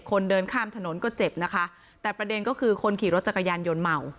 คนเดินข้ามถนนก็เจ็บนะคะแต่ประเด็นก็คือคนขี่รถจักรยานยนต์เมา